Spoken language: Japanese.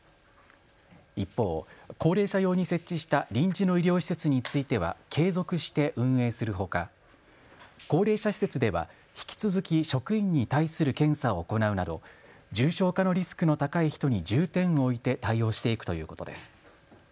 一方、高齢者用に設置した臨時の医療施設については継続して運営するほか高齢者施設では引き続き職員に対する検査を行うなど重症化のリスクの高い人に重点を置いて対応していくということです。